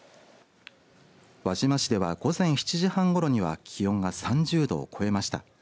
輪島市では午前７時半ごろには気温が３０度を超えました。